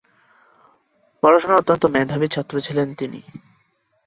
পড়াশোনায় অত্যন্ত মেধাবী ছাত্র ছিলেন তিনি।